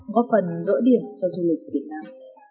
góp phần nỗi điểm cho du lịch việt nam